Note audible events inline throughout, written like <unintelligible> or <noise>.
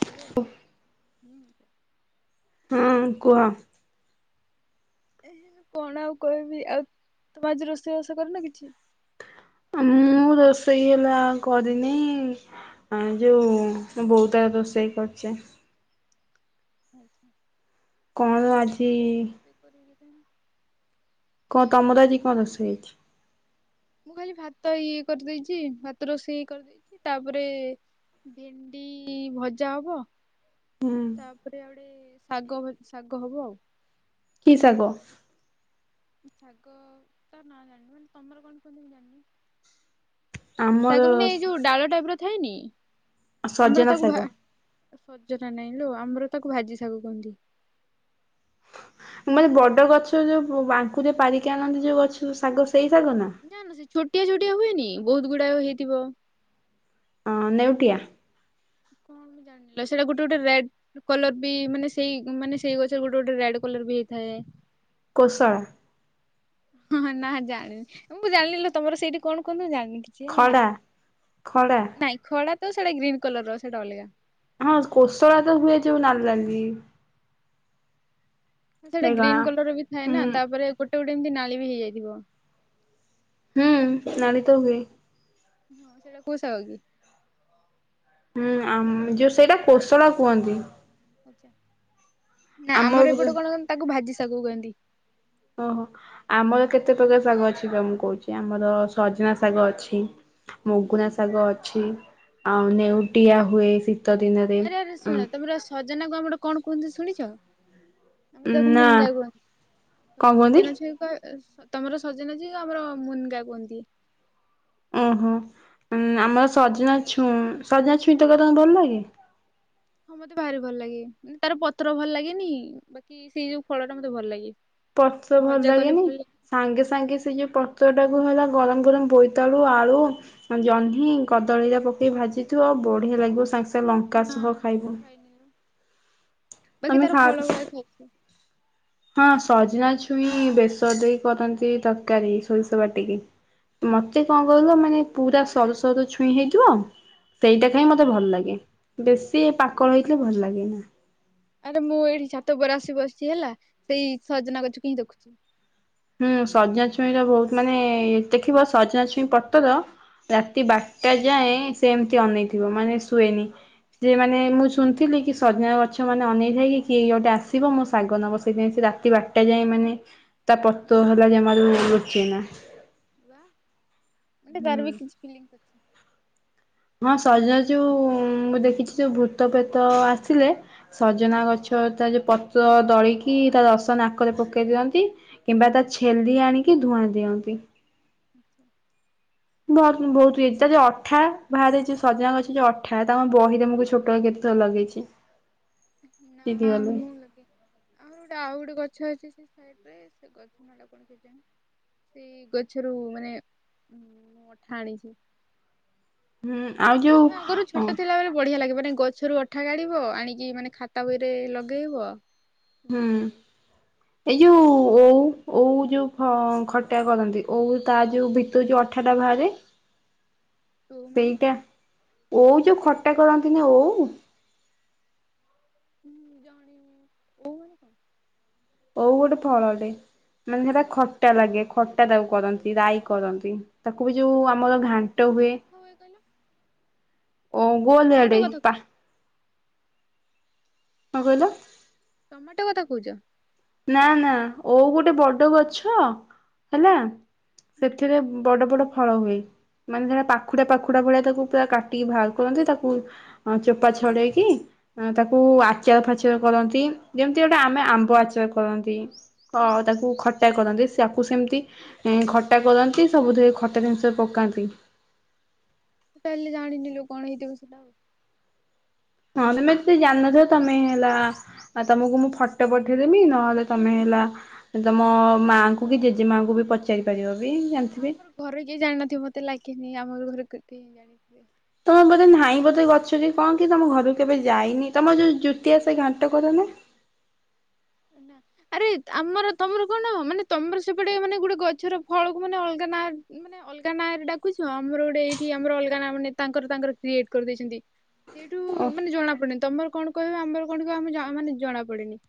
Hello. ହୁଁ ହଁ କୁହ। ଏ କଣ ଆଉ କହିବି ଆଉ ତମେ ଆଜି ରୋଷେଇବାସ କରନ କିଛି? ମୁଁ ରୋଷେଇ ହେଲା କରିନି। ହଁ ଯୋଉ ବହୁ ତାର ରୋଷେଇ କରିଛି। ଆଚ୍ଛା ମୁଁ ଆଜି କଣ ରୋଷେଇ କରି କେଜାଣି। କଣ ତମର ଆଜି କଣ ରୋଷ ହେଇଛି? ମୁଁ ଖାଲି ଭାତ ଇଏ କରିଦେଇଛି ଭାତ ରୋଷେଇ କରିଦେଇଛି ତାପରେ ଭେଣ୍ଡି ଭଜା ହବ। ହୁଁ ତାପରେ ଆଡେ ଶାଗ ଶାଗ ହବ ଆଉ। କି ସାଗ? ଶାଗ ତା ନା ଜାଣିନି ମାନେ ତମର କଣ କୁଅନ୍ତି ମୁ ଯାନି। ଆମର ତାକୁ ମାନେ ଏଇ ଯୋଉ ଡାଳ ଟାଇପ ର ଥାଏନି ଆମର ସଜନା ତାକୁ ଶାଗ। ସଜନା ନାଇଁ ଲୋ ଆମର ତାକୁ ଭାଜି ସାଗ କୁହନ୍ତି। ମାନେ ବଡ ଗଛ ଯୋଉ ବାଙ୍କୁରେ ପାରିକି ଆଣନ୍ତି ଯୋଉ ଗଛ ଶାଗ ସେଇ ଶାଗ ନା? ନା ନା ସେ ଛୋଟିଆ ଛୋଟିଆ ହୁଏନି ବହୁତ ଗୁଡାକ ହେଇଥିବ ହଁ ନେଉଟିଆ। କଣ ଜାଣିଲ ତା ସାଙ୍ଗରେ ଗୋଟେ ଗୋଟେ ରେଡ କଲର ବି ମାନେ ସେଇ ମାନେ ସେଇ ଗଛରେ ଗୋଟେ ଗୋଟେ ରେଡ କଲର ବି ହେଇଥାଏ। କୋଶଳ। ହଁ ହଁ ନା ଜାଣିନି ମୁଁ ଜାଣିନି ତମର ସେଇଠି କଣ କୁହନ୍ତି, ମୁଁ ଜାଣିନି। ଖଡା ଖଡା <unintelligible> ନାଇଁ ଖଡା ତ ସେଟା ଗ୍ରୀନ୍ କଲର ସେଇଟା ଅଲଗା। ହଁ କୋଶଳା ତ ହୁଏ ଯୋଉ ନାଲି ନାଲି। ସେଇଟା ନାଇଁ କଣ ଗ୍ରୀନ କଲର ବି ଥାଏ ହୁଁ ନା ତାପରେ ଗୋଟେ ଗୋଟେ ଏମିତି ନାଳି ବି ହେଇଯାଇଥିବ। ହୁଁ ନାଳି ତ ହୁଏ। ହଁ ସେଇଟା କୋଉ ଶାଗ କି? ହୁଁ ଯୋଉ ସେଇଟା କୋଶଳ କୁହନ୍ତି। ଆଛା, ନା ଆମ ଆମର ଏପଟ କଣ ତାକୁ ଭାଜି ଶାଗକୁ କରନ୍ତି। ଓହୋ, ଆମର କେତେ ପ୍ରକାର ଶାଗ ଅଛି ମୁଁ କହୁଛି ଆମର ସଜନା ଶାଗ ଅଛି। ମୁଗୁନା ଶାଗ ଅଛି, ଆଉ ନେଉଟିଆ ହୁଏ ଶୀତ ଦିନରେ। ଆରେ ଆରେ ଉଁ ଶୁଣ ତମର ସଜନା କୁ ଆମର କଣ କୁହନ୍ତି ଶୁଣିଛ? ଆମର ତାକୁ ନା ମୁନନ୍ଦା କୁହନ୍ତି। କଣ ତମର କୁହନ୍ତି ସଜନା ଛ ତମର ସଜନା ଯିଏ, ଆମର ମୁନଗା କୁହନ୍ତି। ଓହୋ ଆମର ନା ଗୁରା ସଜନା ଭାରି ଅଲଗା। ଛୁ ସଜନା ଛୁଇଁ ତମର ଭଲ ଲାଗେ? ହଁ ମତେ ଭାରି ଭଲ ଲାଗେ, ମାନେ ତାର ପତ୍ର ଭଲ ଲାଗେନି ବାକି ସେଇ ଯୋଉ ଫଳ ଟା ମତେ ଭଲ ଲାଗେ। ପତ୍ର ଭଲ ଭଜା କଲେ ଲାଗେନି? ଭଲ ଲାଗେ ସାଙ୍ଗେ ସାଙ୍ଗେ ସେ ଯଉ ପତ୍ର ଟାକୁ ହେଲା ଗରମ ଗରମ ବୋଇତାଳୁ, ଆଳୁ ଜହ୍ନି, କଦଳୀ ହେରା ପକେଇ ଭାଜିଥିବ ବଢିଆ ଲାଗିବ ସାଙ୍ଗେ ସାଙ୍ଗେ ଲଙ୍କା ନା ସହ ସେଟା ଖାଇବ। ଖାଇନି ଲୋ, ବାକି ତମେ ତାର ଖା ଫଳ ଗୁଡାକ ଖାଉଛି। ହଁ ସଜନା ଛୁଇଁ ବେଶର ଦେଇ କରନ୍ତି ତରକାରୀ ସୋରିଷ ବାଟିକି। ମତେ କଣ ହଁ କହିଲ ମାନେ ପୁରା ସରୁ ସରୁ ଛୁଇଁ ହେଇଥିବ। ଆ ସେଇଟା ଖାଇ ହୁଁ। ମତେ ଭଲ ଲାଗେ ବେଶୀ ପାକଳ ହେଇଥିଲେ ଭଲ ଲାଗେ ନା। ଆରେ ମୁଁ ଏଇଠି ଛାତ ଉପରେ ଆସି ବସିଛି ହେଲା ସେଇ ସଜନା ଗଛକୁ ହିଁ ଦେଖୁଛି। ହୁଁ ସଜନା ଛୁଇଁର ବହୁତ ମାନେ ଦେଖିବ ସଜନା ଛୁଇଁ ପତ୍ର ରାତି ବାରଟା ଯାଏଁ ସେମିତି ଅନେଇଥିବ ମାନେ ଶୁଏନି। ସେ ମାନେ ମୁଁ ଶୁଣିଥିଲି କି ସଜନା ଗଛ ମାନେ ଅନେଇଥାଏକି କିଏ ଗୋଟେ ଆସିବ ମୋ ଶାଗ ନବ ସେଇଥି ପାଇଁ ସେ ରା ରାତି ବାରଟା ଯାଏ ମାନେ ତା ପତ୍ର ହୁଁ ହେଲା ଜମାରୁ ଲୁଚେନା। ହୁଁ। <unintelligible> ହଁ ସଜନା ଯୋଉ ମୁଁ ଦେଖିଛି ଯୋଉ ଭୂତ ପେତ ଆସିଲେ ସଜନା ଗଛ ତ ତା ଯୋଉ ପତ୍ର ଦଳିକି ତା ରସ ନାକରେ ପକେଇ ଦିଅନ୍ତି। କିମ୍ବା ତା ଛେଲି ଆଣିକି ଧୂଆଁ ଦିଅନ୍ତି। ଆଜ୍ଞା। ବହୁତ ବହୁତ ଇଏ ତାର ଯୋଉ ଅଠା ବାହାରେ ଯୋଉ ସଜନା ଗଛ ଯୋଉ ଅଠା ତାକୁ ଆମେ ବହିରେ ମୁଁ ବି ଛୋଟ ବେଳେ କେତେ ଥର ଲଗେଇଛି। <inaudible> ନା ଚିରିଗଲେ ମୁଁ ଲଗେଇଛି ଆହୁରି ଗୋଟେ ଆଉ ଗୋଟେ ଗଛ ଅଛି ସେ ସାଇଟ୍ ରେ ସେ ଗଛ <unintelligible> <unintelligible> ସେ ଗଛରୁ ମାନେ ମୁଁ ଅଠା ଆଣିଛି। ହୁଁ ଆଉ ଯୋଉ ଆଗୁରୁ ଛୋଟ ହୁଁ ଥିଲାବେଳେ ବଢିଆ ଲାଗେ ମାନେ, ଗଛ ଗଛୁରୁ ଅଠା କାଢ଼ିବ ଆଣିକି ମାନେ ଖାତା ବହିରେ ଲଗେଇବ। ହୁଁ। ବଢିଆ ଲାଗେ ଏଇ ଯୋଉଁ ଓଉ ଯୋଉଁ ଅଁ ଖଟା କରନ୍ତି ଓଉ ତା ଯୋଉଁ ବିଟ ତା ଯୋଉଁ ଅଠା ଟା ବାହାରେ <inaudible> ସେଇଟା ଓଉ ଯୋଉଁ ଖଟା କରନ୍ତି ନାଁ ଓଉ- ହୁଁ ଜାଣିଛି ଓଉ ଗୋଟେ ଫଳଟେ ମାନେ ସେଟା ଖଟା ଲାଗେ ଖଟା ତାକୁ କରନ୍ତି ରାଇ କରନ୍ତି। ତାକୁ ବି ଯୋଉଁ କେମି ଆମର ଘାଣ୍ଟ କେମିତି ହୁଏ। ଦେଖା କହିଲ? ଓଉଁ ଏଇ ଗୋଲିଆ ଟମାଟୋ ଡେ କଥା ପା କଣ କହିଲ? ଟମାଟୋ କଥା କହୁଛ ନାଁ ନାଁ ଓଉ ଗୋଟେ ହୁଁ ବଡ ଗଛ ହେଲା। ସେଥିରେ ବଡ ବଡ ଫଳ ହୁଏ। ମାନେ ସେଟା ପାଖୁଡା ପାଖୁଡା ଭଳିଆ ତାକୁ ପୁରା କାଟିକି ବାହାର କରନ୍ତି ତାକୁ ହଁ ଚୋପା ଛଡେଇକି ତାକୁ ଆଚାର ଫାଚାର କରନ୍ତି। ଯେମିତି ଗୋଟେ ଆମେ ଆମ୍ବ ଆଚାର କରନ୍ତି କଣ ତାକୁ ଖ ଖଟା କରନ୍ତି ସେଆକୁ ସେମିତି ଖଟା କରନ୍ତି ସବୁଥିରେ ଖଟା ଜିନିଷ ପକାନ୍ତି। ତାହେଲେ ଜାଣିଥିଲୁ ସେଟା ଆଉ ହଁ ତମେ ଏତେ କିଛି ଜାଣିନଥିଲ ତମେ ହେଲା ଆଉ ତମକୁ ମୁଁ ଫଟୋ ପଠେଇଦେବି ନହେଲେ ତମେ ହେଲା ତୁମ ମାଆଙ୍କୁ ହଁ କି ମୁଁ ଜେଜେ ମାଆଙ୍କୁ ବି ପଚାରି ପାରିବ ବି ନା ଜାଣିଥିବି। ଆମର ଘରେ କିଏ ଜାଣିନଥିବ ମୋତେ ଲାଗିନି ଆମର ଘରେ ଲୋକ କେହିଁ ଜାଣିଥିବେ? ତମେ ବୋଧେ ନାଇଁ ବୋଧେ ଗଛରେ କଣ କି ତମ ଘରକୁ କେବେ ଯାଇନି ତମ ଯୋଉଁ ଜୁତିଆ ଓଷା ଘାଣ୍ଟ କରନ୍ତିନି। ନାଁ ଆରେ ଆମର ତମର କଣ ମାନେ ତମର ସେପଟେ ମାନେ ଗୋଟେ ଗଛର ଫଳ କୁହନି ମାନେ ଅଲଗା ନାଁ ମାନେ ଏ ଅଲଗା ଡାକୁଛ ଆମର ଗୋଟେ ଏଇଠି ଆମର ଅଲଗା ନା ମାନେ ତାଙ୍କର ତାଙ୍କର କ୍ରିଏଟ କରିଦେଇଛନ୍ତି ସିଏ ଏଇଠି ଓହୋ। ଜଣା ପଡେ ତମର କଣ କହିବ ଆମର କଣ କହିବା ଆମ ମାନେ ଜଣା ପଡେନି।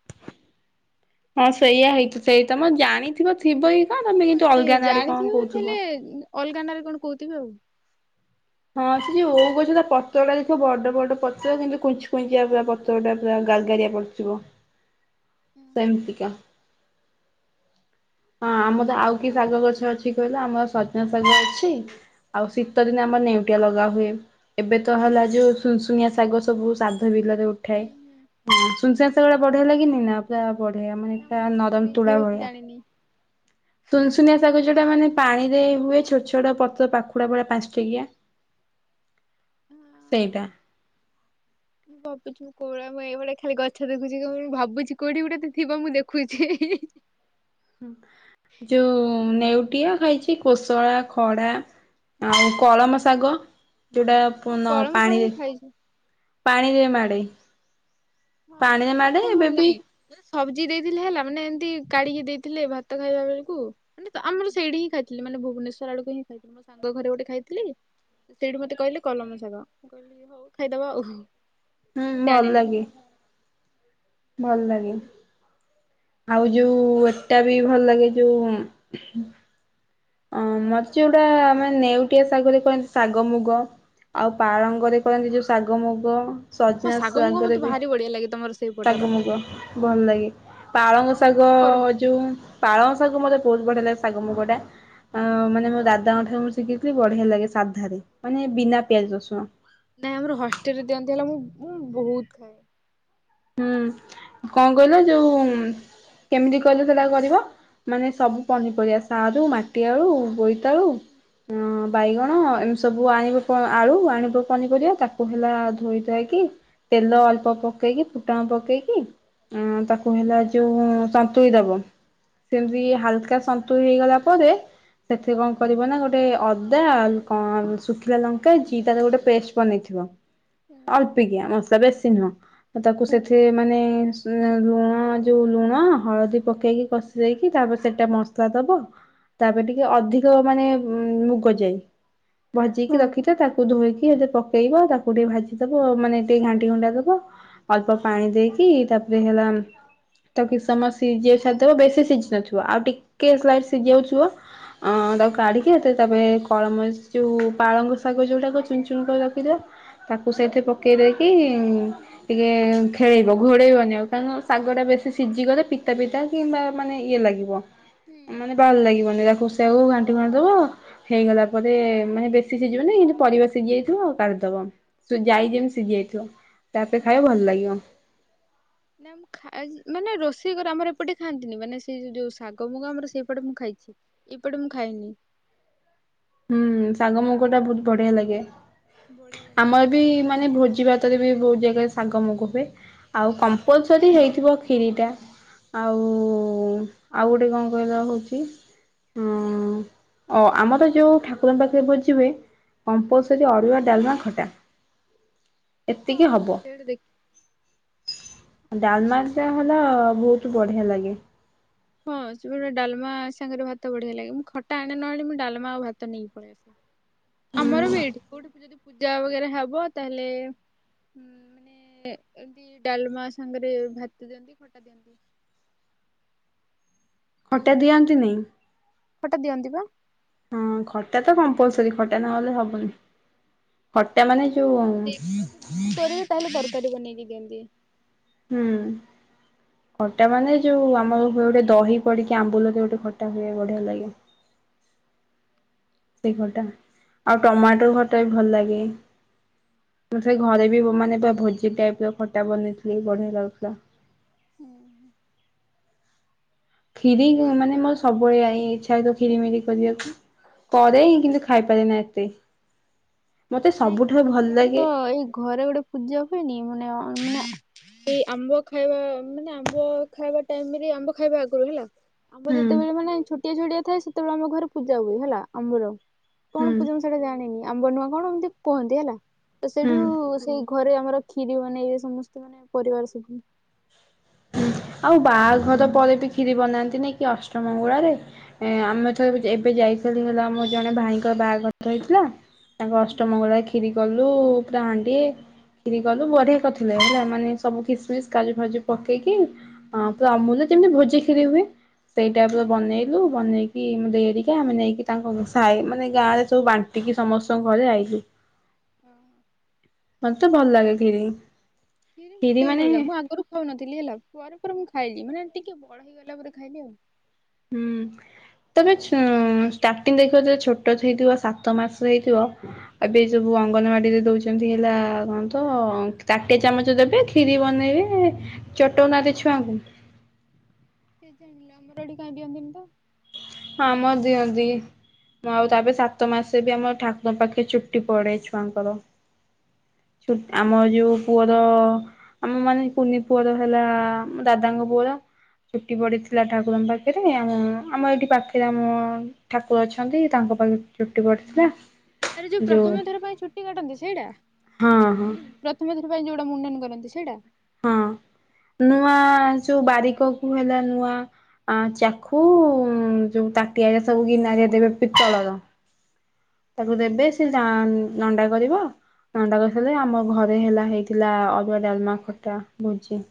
ହଁ ସେଇୟଆ ହେଇଥି ସେଇ ତମ ଜାଣିଥିବ ଥିବ କଣ ତମେ ହଁ କିନ୍ତୁ ଅଲଗା ସେଇୟା ନାଁରେ କଣ ଜାଣିଥିବ କହୁଥିବ। ହେଲେ ଅଲଗା ନାଁ ରେ କଣ କହୁଥିବେ ନାଁ ଆଉ ହଁ ସେ ଓଉ ଗଛର ପତ୍ରଟା ଗୁଡାକ ବଡ ବଡ ପତ୍ର କିନ୍ତୁ କୁଞ୍ଚି କୁଞ୍ଚିଆ ତା ପତ୍ର ଯୋଉଁ ଟା ପୁରା ଗାର ଗାରିଆ ପଡିଥିବ ହଁ ସେମିତିକା ହଁ ଆମର ଆଉ କି ଶାଗ ଗଛ ଅଛି କହିଲ ଆମର ସଜନା ଶାଗ ଅଛି। ଆଉ ଶୀତ ଦିନେ ଆମର ନେଉଟିଆ ଲଗା ହୁଏ। ଏବେ ତ ହେଲା ଯୋଉଁ ସୁନସୁନିଆ ଶାଗ ସବୁ ଶ୍ରାଦ୍ଧ ବିଲରେ ହୁଁ ଉଠେଇ ହୁଁ। ସୁନସୁନିଆଁ ଶାଗ ଟା ଭଢିଆ ଲାଗେନି ନାଁ ପୁରା ବଢିଆ ମାନେ ନା ମୁଁ ଚାଲ ପୁରା ଖାଲି ନରମ ଶୁଣିଛି ତୁଳା ବାସ୍ ଭଳିଆ ଜାଣିନି। ସୁନସୁନିଆ ଶାଗ ଯୋଉଁ ଟା ମାନେ ପାଣି ରେ ହୁଏ ଛୋଟ ଛୋଟ ପତ୍ର ପାଖୁଡା ଭଳିଆ ପାଞ୍ଚ ଠିକିଆ ହଁ ସେଇଟା <unintelligible> ଭାବୁଛି ମୁଁ କୋଆଡେ ମୁଁ ଏଇଭଳିଆ ଖାଲି ଗଛ ଦେଖୁଛି ମୁଁ ଭାବୁଛି କଉଁଠି ଗୋଟେ ତ ଥିବ ମୁଁ ଦେଖୁଛି। ହିଁ ହିଁ ଯୋଉଁ ନେଉଟିଆ ଖାଇଛି କୋଶଳା ଖଡା ଆଉ କଳମ ଶାଗ ଯୋଉଁଟା ପ ହଁ କଳମ ଶାଗ ପାଣିରେ ମୁଁ ଖାଇଛି। ପାଣିରେ ମାଡେ ପାଣିରେ ମାଡେ ଏବେ ବିି ମାନେ ସବଜି ଦେଇଥିଲେ ହେଲା ମାନେ ଏମିତି କାଢିକି ଦେଇଥିଲେ ଭାତ ଖାଇବା ବେଳକୁ ମାନେ ତ ଆମର ସେଇଠି ହିଁ ଖାଇଥିଲି ମାନେ ଭୁବନେ ସ୍ୱର ଆଡକୁ ହିଁ ଖାଇଥିଲି ମୋ ସାଙ୍ଗ ଘରେ ଗୋଟେ ଖାଇଥିଲି। ସେଇଠୁ ମତେ କଇଲେ କଲମ ଶାଗ ମୁଁ କହିଲି ହୋଉ ଖାଇଦବା ଆଉ। ହୁଁ ମୁଁ ଭଲ ଜାଣିନି ଲାଗେ। ଭଲ ଲାଗେ। ଆଉ ଯୋଉ ଏଟା ବି ଭଲ ଲାଗେ ଯୋଉ ଅଁ ମତେ ଯୋଉଟା ମାନେ ନେଉଟିଆ ଶାଗରେ କରନ୍ତି ଶାଗ ମୁଗ। ଆଉ ପାଳଙ୍ଗରେ କରନ୍ତି ଯୋଉ ଶାଗ ମୁଗ। ହଁ ଶାଗ ମୁଗ ସଜନାଶାଗରେ ମତେ ବି ଭାରି ବଢିଆ ଲାଗେ ତମର ଶାଗ ସେଇପଟର ମୁଗ ଭଲ ଲାଗେ। ପାଳଙ୍ଗ ଆମର ଶାଗ ଏପଟେ କରନ୍ତିନି। ଯୋଉ ପାଳଙ୍ଗ ଶାଗ ମତେ ବୋହୁତ ବଢିଆ ଲାଗେ ଶାଗ ମୁଗ ଟା। ଆ ମାନେ ମୋ ଦାଦାଙ୍କଠାରୁ ମୁଁ ଶିଖିଚି ବଢିଆ ଲାଗେ ସାଧାରେ ମାନେ ବିନା ପିଆଜ ରସୁଣ। ନାଇଁ ଆମର ହଷ୍ଟେଲ ରେ ଦିଅନ୍ତି ହେଲା ମୁଁ ମୁଁ ବୋହୁ ତ ଖାଏ। ହୁଁ କଣ କଇଲ ଯୋଉ କେମିତି କଇଲ ସେଟା କରିବ? ମାନେ ସବୁ ପନିପରିବା ସାରୁ ମାଟି ଆଳୁ ବୋଇତାଳୁ ଅଁ ବାଇଗଣ ଏମିତି ସବୁ ଆଣିବୁ ଆଳୁ ଆଣିବୁ ପନିପରିବା ତାକୁ <unintelligible> ହେଲା ଧୋଇଥାାଇକି ତେଲ ଅଳ୍ପ ପକେଇକି ଫୁଟଣ ପକେଇକି ଆ ତାକୁ ହେଲା ଯୋଉ ସନ୍ତୁଳି ଦବ। ହଁ ସେମିତି ହାଲକା ସନ୍ତୁଳ ହେଇଗଲା ପରେ ସେଥିରେ କଣ କରିବ ନା ଗୋଟେ <unintelligible> ଅଦା ଆଉ ଶୁଖିଲା ଲଙ୍କା ଜିରାର ଗୋଟେ ପେଷ୍ଟ ବନେଇଥିବ। ହୁଁ ଅଳ୍ପିକିଆ ମସଲା ବେଶୀ ନୁହଁ ତାକୁ ହୁଁ ସେଥିରେ ମାନେ ଉ ଲୁଣ ଯୋଉ ଲୁଣ ହଳଦୀ ପକେଇକି କଷି ଦେଇକି ତାପରେ ସେଟା ମସଲା ଦବ। ତାପରେ ଟିକେ ଅଧିକ ମାନେ ଉ ମୁଗଯାଇ ଭାଜିକି ହୁଁ ରଖିଥିବ ତାକୁ ଧୋଇକି ହେତିରେ ପକେଇବ ତାକୁ ଟିକେ ଭାଜିଦବ ମାନେ ଟିକେ ଘାଣ୍ଟି ଘୁଣ୍ଟା ଦବ। ଅଳ୍ପ ପାଣି ଦେଇକି ତାପରେ ହେଲା ତାକୁ କିଛି ସମୟ ସିଝେଇ ସାରିଦବ ବେଶୀ ସିଝି ନଥିବ ଆଉ ଟିକେ ସ୍ଲାଇଟ୍ ସିଝି ବାକୁଥିବ ଅଁ ତାକୁ କାଢିକି ତାପରେ କଳମ ସେଯୋଉ ପାଳଙ୍ଗ ଶାଗ ଯୋଉଟା କୋଉଚ ଚୁନ ଚୁନ ରଖିଥିବ ତାକୁ ହୁଁ ସେଇଥିରେ ପକେଇ ଦେଇକି ଟିକେ ଖେଳେଇବ ଘୋଡ଼େଇବନି ଆଉ କାରଣ ଶାଗଟା ବେଶୀ ସିଝିଗଲେ ପିତା ପିତା କିମ୍ବା ମାନେ ଇଏ ଲାଗିବ ହୁଁ। ମାନେ ଭଲ ଲାଗିବନି ତାକୁ <unintelligible> ଘାଣ୍ଟିଘାଣ୍ଟିଦବ। ହେଇଗଲା ପରେ ମାନେ ବେଶୀ ସିଝିବନି ଯେ ପରିବା ସିଝି ଯାଇଥିବ କାଢିଦବ। ସେ ଯାଇ ଯେମିତି ସିଝି ଯାଇଥିବ ତାପରେ ହଁ। ଖାଇବ ଭଲ ଲାଗିବ। ନା ମୁଁ ଖାଇଚି ମାନେ ରୋଷେଇ କରେ ଆମର ଏପଟେ ଖାଆନ୍ତିନି ମାନେ ସେ ଯୋଉ ଶାଗ ମୁଗ ଆମର ସେଇପଟେ ମୁଁ ଖାଇଚି। ଏପଟେ ମୁଁ ଖାଇନି। ହୁଁ ଶାଗ ମୁଗଟା ବୋହୁତ୍ ବଢିଆ ଲାଗେ ବଢିଆ ଲାଗିବ ଆମରବି ମାନେ ଭୋଜିି ଭା ତରେ ବି ବୋହୁତ୍ ଜାଗାରେ ଶାଗମୁଗ ହୁଏ ଆଉ କମ୍ପଲସରି ହେଇଥିବ କ୍ଷିରିଟା ଆଉ ଆଉ ଗୋଟେ କଣ କହିଲ ହୋଉଚି ହଁ ଓ ଆମର ଯୋଉ ଠାକୁରଙ୍କ ପାଖେରେ ଭୋଜିହୁଏ ହୁଁ କମ୍ପଲସରି ଅରୁୁଆ ଡ଼ାଲମା ଖଟା ଏତିକି ହଁ ହବ। ସେଇଟା ଦେଖ ଡ଼ାଲମାଟା ହେଲା ବୋହୁତ୍ ବଢ଼ିଆ ଲାଗେ। ହଁ ସେଗୋଟେ ଡ଼ାଲମା ସାଙ୍ଗେରେ ଭାତ ବଢ଼ିଆ ଲାଗେ ମୁଁ ଖଟା ଆଣେ ନଆଣେ ମୁଁ ଡ଼ାଲମା ଆଉ ଭାତ ନେଇକି ପଳାଏ। ଆମର ଉଁ ବି ଏଇଠି କୋଉଠି ଯଦି ପୂଜା ବଗେରା ହବ ତାହେଲେ ହୁଁ ମାନେ ଏମତି ଡ଼ାଲମା ସାଙ୍ଗେରେ ଭାତ ଦିଅନ୍ତି ଖଟା ଦିଅନ୍ତି। ଖଟା ଦିଅନ୍ତିନି? ଖଟା ଦିଅନ୍ତିପା। ହୁଁ ଖ। ଖଟାତ କମ୍ପଲସରୀ ଖଟା ନହେଲେ ହବନି ଖଟା ମାନେ ଆଉ ନହେଲେ ଯଦି ଏକ୍ସଟ୍ରା ସବଜି ଯୋଉଁ। କିଛି କରିବେ ତାହେଲେ କରିପାରିବ ନେଇ କେମିତି। ହୁଁ। ଖଟା ମାନେ ଯୋଉଁ ଆମର ହୁଏ ଗୋଟେ ଦହି ପଡିକି ଆମ୍ବୁଲ ଯୋଉଁ ଗୋଟେ ଖଟା ହୁଏ ବଢ଼ିଆ ଲାଗେ। ସେଇ ଖଟା ଆଉ ଟମାଟୋ ଖଟାବି ଭଲ ଲାଗେ। ମୁଁ ସେଇ ଘରେ ବି ମାନେ ପୁରା ଭୋଜି ଟାଇପ୍ ର ଖଟା ବନେଇଥିଲି ବଢ଼ିଆ ଲାଗୁଥିଲା। ହୁଁ। କ୍ଷୀରି ମାନେ ମୋର ସବୁବେଳେ ଇଚ୍ଛା ହେଇଥିବ କ୍ଷୀରି ମିରି କରିବାକୁ। କରେ ହିଁ କିନ୍ତୁ ଖାଇପାରେନା ଏତେ। ମତେ ନାଇଁ ସବୁଠାରୁ ଭଲ କ୍ଷୀରି ଲାଗେ ଆମର ଏଇ ଘରେ ଗୋଟେ। ପୂଜା ହୁଏନି ମାନେ ଅ ନ। ସେଇ ଆମ୍ବ ଖାଇବା ମାନେ ଆମ୍ବ ଖାଇବା ଟାଇମ୍ ରେ ଆମ୍ବ ଖାଇବା ଆଗୁରୁ ହେଲା। ଆମ୍ବ ହୁଁ ଯେତେବେଳେ ମାନେ ଛୋଟିଆ, ଛୋଟିଆ ଥାଏ ସେତେବେଳେ ଆମ ଘରେ ପୂଜା ହୁଏ ହେଲା ଆମର କ'ଣ ହୁଁ ପୂଜା ସେଟା ଜାଣିନି ଆମ୍ବ ନୂଆ କ'ଣ ଏମିତି କୁହନ୍ତି ହେଲା ତ ସେଇଠୁ ହୁଁ। ସେଇ। ଘରେ ଆମର କ୍ଷୀରି ବନେଇବେ ସମସ୍ତେ ମାନେ ପରିବାର ସବୁ। ହୁଁ ଆଉ ବାହାଘର ପରେ ବି କ୍ଷୀରି ବନାନ୍ତିନି କି ଅଷ୍ଟମଗୁଳାରେ। ଏ ଆମେ ଥରେ ଏବେ ଯାଇଥିଲି ହେଲା ମୋ ଜଣେ ଭାଇଙ୍କର ବାହାଘର ତ ହେଇଥିଲା। ତାଙ୍କ ହୁଁ ଅଷ୍ଟମଙ୍ଗଳାରେ କ୍ଷୀରି କଲୁ ପୁରା ହାଣ୍ଡିଏ। ଖିରି କଲୁ ବଢ଼ିଆ କରିଥିଲେ ହେଲା ମାନେ ସବୁ କିସ୍ମିସ୍ କାଜୁ, ଫାଜୁ ପକେଇ। ପକେଇକି ଅଁ ପୁରା ଅମୁଲୁ ଯେମିତି ଭୋଜି କ୍ଷୀରି ହୁଏ ସେଇ ଟାଇପ୍ ର ହୁଁ ବନେଇଲୁ ବନେଇକି। କି ମୋ ଦେଇ ହେରିକା ଆମେ ନେଇକି ତାଙ୍କ ସାଇ ମାନେ ଗାଁରେ ସବୁ ବାଣ୍ଟିକି ସମସ୍ତଙ୍କ ଘରେ ଆଇଲୁ। ହଁ। ମତେ ଭଲ ଲାଗେ ଖିରି। ଖିରି ମତେ ବି ଭଲ ଲାଗେ ମୁଁ ଆଗୁରୁ। ଖାଉନଥିଲି ହେଲା ପରେ, ପରେ ମୁଁ ଖାଇଲି ମାନେ ଟିକେ ବଡ ହେଇଗଲା ପରେ ଖାଇଲି ଆଉ। ହୁଁ। ତମେ ଛ ଷ୍ଟାର୍ଟିଂ ଦେଖିବ ଯଦି ଛୋଟ ହେଇଥିବ ସାତ ମାସର ହେଇଥିବ। ଏବେ ସବୁ ଅଙ୍ଗନବାଡିରେ ଦଉଛନ୍ତି ହେଲା କଁ ତ ତାଟିଆ, ଚାମଚ ଦେବେ। ଖିରି ବନେଇବେ ଚଟଉ ନାହାନ୍ତି ଛୁଆଙ୍କୁ। କିଏ ଜାଣିଲା ଆମର ଏଠି କାଇଁ ଦିଅନ୍ତିନି ତ। ହଁ ଆମର ଦିଅନ୍ତି। ମୁଁ ଆଉ ତାପରେ ସାତ ମାସେ ବି ଆମ ଠାକରଙ୍କ ପାଖେ ଚୁଟି ପଡେ ଛୁଆଙ୍କର। ହୁଁ ଆମ ଯୋଉଁ ପୁଅର। ଆମ ମାନେ କୁନି ପୁଅର ହେଲା ଦାଦାଙ୍କ ପୁଅର। ଚୁଟି ପଡିଥିଲା ଠାକୁରଙ୍କ ପାଖରେ ଆମ୍ ଆମ ଏଠି ପାଖ। ଏଥି ଆମ ଠାକୁର ଅଛନ୍ତି ତାଙ୍କ ପାଖରେ ଚୁଟି ପଡିଥିଲା। ଆରେ ଯୋଉଁ ଯୋଉ ପ୍ରଥମ ଥର ପାଇଁ ଛୁଟି କାଟନ୍ତି ସେଇଟା ହଁ ହଁ ଉଁ। ପ୍ରଥମଥର ପାଇଁ ଯୋଉଟା ମୁଣ୍ଡନ କରନ୍ତି ସେଇଟା। ହଁ ନୂଆ ଯୋଉଁ ବାରିକ କୁ ହେଲା ନୂଆ। ଆ ଚାଖୁ ଯୋଉଁ ତାଟିଆ ସବୁ ଗିନାରେ ଦେବେ ପିତଳର। <unintelligible> ସବୁ ଦେବେ ସେ ଜାନ। ନଣ୍ଡା କରିବ ନଣ୍ଡା କରିସାରିଲେ ଆମ ଘରେ ହେଲା ହେଇଥିଲା ଅରୁଆ, ଡାଲମା ଖ ଟା ଭୋଜି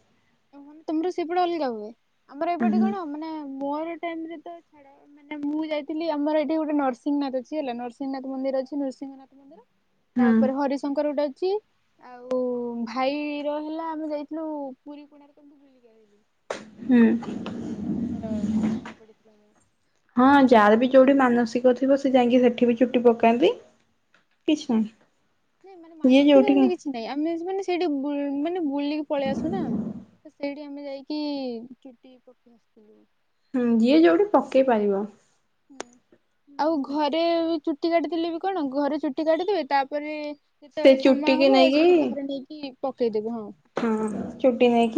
ତମର ସେପଟେ ଅଲଗା ହୁଏ ଆମର ଏପଟେ ହୁଁ କଣ ମାନେ ମୋର ଟାଇମ୍ ଯେତେବେଳେ ଛାଡ଼ ନାଁ ମୁ ଯାଇଥିଲି ଆମର ଏଠି ଗୋଟେ ନରସିଂହନାଥ ଅଛି ହେଲା ନରସିଂହନାଥ ମନ୍ଦିର ଅଛି ନରସିଂହନାଥ ମନ୍ଦିର ହୁଁ ତାପରେ ହରିଶଙ୍କର ଗୋଟେ ଅଛି। ଆଉ ଭାଇ ରହିଲା ଆମେ ଯାଇଥିଲୁ ପୁରୀ କୋଣାର୍କ ବୁଲିକି ଆଇଲୁ। ହୁଁ ମାନେ ସମୁଦ୍ରରେ ତାର ଚୁଟି ଫୋପାଡିଥିଲା ନା ହଁ ଯାହାର ବି ଯୋଉଠି ମାନସିକ ଥିବ ସେ ଯାଇକି ସେଠି ବି ଚୁଟି ପକାନ୍ତି। କିଛି ନା ନାଇଁ ମାନେ ମାନସିକ ଏମିତି କିଛି ନାଇଁ ଆମେ ମାନେ ସେଇଠି ମାନେ ବୁଲିକି ପଳେଇ ଆସିଲୁ ନା। ତ ସେଇଠି ଆମେ ଯାଇକି ଚୁଟି ପକେଇ ଆସିଥିଲୁ। ହୁଁ ଯିଏ ଯୋଉଠି ପକେଇ ପାରିବ। ହୁଁ ଆଉ ଘରେ ବି ଚୁଟି କାଟିଦଲେ ବି କଣ ଘରେ ଚୁଟି କାଟି ଦେବେ ତାପରେ ସେ ସେତେବେଳେ ସମୟ ଚୁଟିକି ହବ ଆଉ ନେଇକି ସେଇଠି ପାଖରେ ନେଇକି ପକେଇଦେବେ ହଁ। ହଁ ଚୁଟି ନେଇଁକି